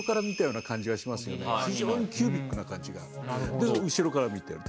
で後ろから見てる。